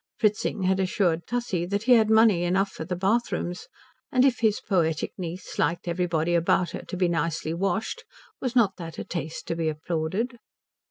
Fritzing had assured Tussie that he had money enough for the bathrooms; and if his poetic niece liked everybody about her to be nicely washed was not that a taste to be applauded?